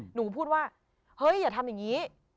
หนูพูดว่าเฮ้ยอย่าทำอย่างนี้